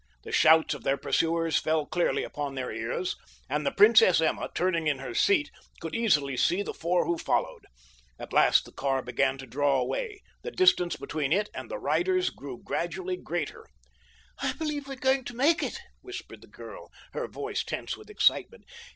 The shouts of their pursuers fell clearly upon their ears, and the Princess Emma, turning in her seat, could easily see the four who followed. At last the car began to draw away—the distance between it and the riders grew gradually greater. "I believe we are going to make it," whispered the girl, her voice tense with excitement.